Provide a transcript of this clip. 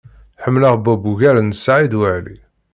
Ḥemmleɣ Bob ugar n Saɛid Waɛli.